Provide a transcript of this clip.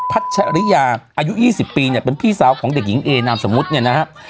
พัชริยาอายุ๒๐ปีเป็นพี่สาวของเด็กหญิงเอนามสมมุติ